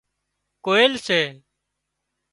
ڪوئيل سي